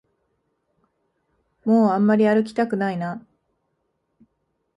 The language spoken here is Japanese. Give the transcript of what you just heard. もうあんまり歩きたくないな